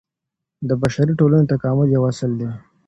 د بشري ټولني تکامل يو اصل دی.